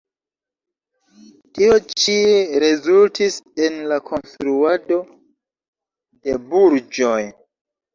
Tio ĉio rezultis en la konstruado de burĝoj.